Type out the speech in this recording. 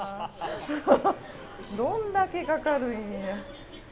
どんだけかかるんや。